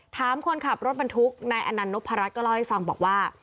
ถามคนขับรถบรรทุกนายอนันนพรัชก็เล่าให้ฟังบอกว่า